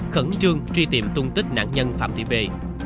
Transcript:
khẩn trương truy tìm tung tích nạn nhân phạm thị b